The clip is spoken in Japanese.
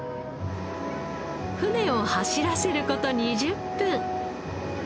船を走らせる事２０分。